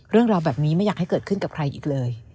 เรื่องราวแบบนี้ไม่อยากให้เกิดขึ้นกับใครอีกเลย